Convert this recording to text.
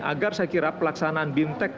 agar saya kira pelaksanaan bintek